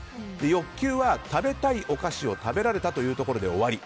欲求は食べたいお菓子を食べられたというところで終わり。